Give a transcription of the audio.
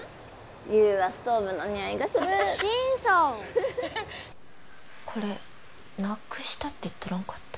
優はストーブのにおいがするしんさこれなくしたって言っとらんかった？